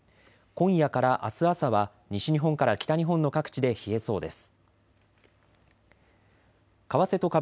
今夜からあす朝は西日本から北日本の各地で冷えそうです。